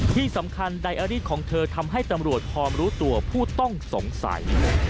ที่สำคัญไดอารีสของเธอทำให้ตำรวจพร้อมรู้ตัวผู้ต้องสงสัย